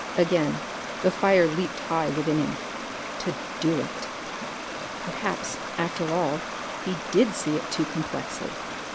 Again the fire leaped high within him. To do it! Perhaps after all he did see it too complexly.